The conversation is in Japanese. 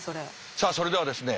さあそれではですね